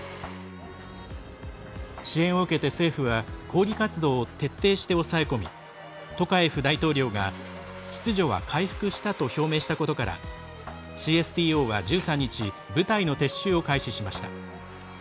支援を受けて政府は抗議活動を徹底して押さえ込みトカエフ大統領が、秩序は回復したと表明したことからＣＳＴＯは１３日部隊の撤収を開始しました。